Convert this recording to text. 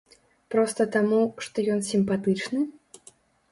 Проста таму, што ён сімпатычны?